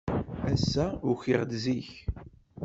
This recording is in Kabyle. Ass-a, ukiɣ-d zik.